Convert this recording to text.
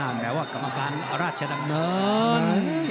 แต่ว่ากรรมการราชดำเนิน